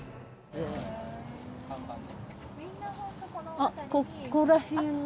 あっここら辺が。